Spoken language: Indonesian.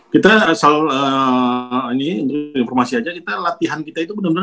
kita selalu ini untuk informasi aja kita latihan kita itu benar benar